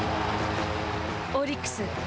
オリックス。